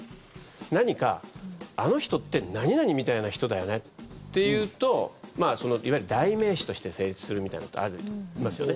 何か、あの人って何々みたいな人だよねって言うといわゆる代名詞として成立するみたいなことがありますよね。